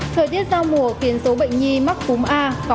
thời tiết giao mùa khiến số bệnh nhi mắc cúm a có xu hướng gia tăng